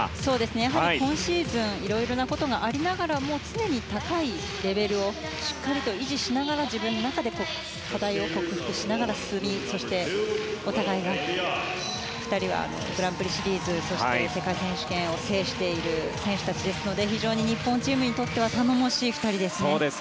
やはり今シーズンいろいろなことがありながらも常に高いレベルをしっかりと維持しながら自分の中で課題を克服しながら進みそして２人はグランプリシリーズ世界選手権を制している選手たちですので非常に日本チームにとっては頼もしい２人ですね。